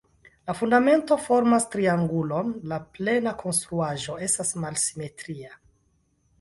La fundamento formas triangulon, la plena konstruaĵo estas malsimetria.